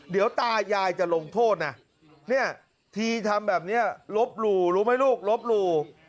เดี๋ยวตายายจะลงโทษทีทำแบบนี้ลบรูรู้ไหมลูกลบรู